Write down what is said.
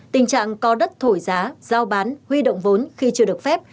tình trạng có đất thổi giá giao bán huy động vốn khi chưa được phép